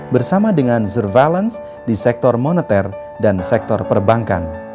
bersama dengan surveillance di sektor moneter dan sektor perbankan